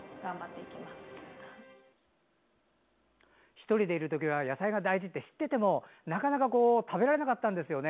１人でいる時は野菜が大事って知ってても、なかなか食べられなかったんですよね。